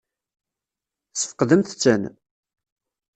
Tesfeqdemt-ten?